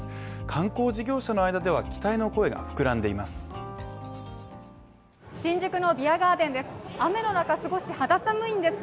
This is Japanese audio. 観光事業者の間では期待の声が膨らんでいます